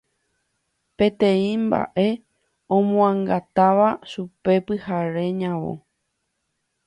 peteĩ mba'e omoangatáva chupe pyhare ñavõ